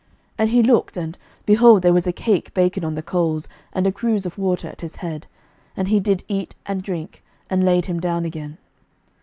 11:019:006 And he looked, and, behold, there was a cake baken on the coals, and a cruse of water at his head. And he did eat and drink, and laid him down again.